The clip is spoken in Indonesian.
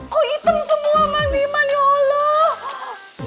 kok item semua mang diman ya allah